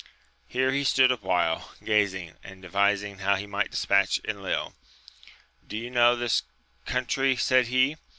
Here he stood awhile, gazing, and devising how he might dispatch Enil. Do you know this country ? said he.